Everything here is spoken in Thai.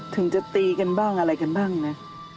ถึงจะตีกันบ้างอะไรกันบ้างนะ